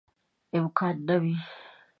امکان نه وي.